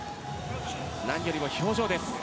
何よりも、表情です。